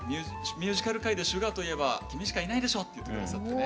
「ミュージカル界でシュガーといえば君しかいないでしょ」って言って下さってね。